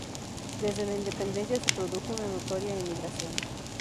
Desde la independencia se produjo una notoria emigración.